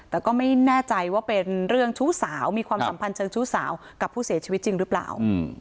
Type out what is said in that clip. แต่ก็ไม่แน่ใจว่าเป็นเรื่องชู้สาวมีความสัมพันธ์เชิงชู้สาวกับผู้เสียชีวิตจริงหรือเปล่า